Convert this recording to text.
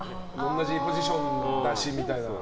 同じポジションだしみたいな。